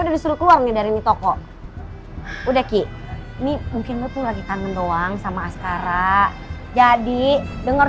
udah disuruh keluar dari toko udah ki ini mungkin itu lagi tangan doang sama sekarang jadi denger